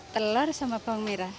telur ayam dan bawang merah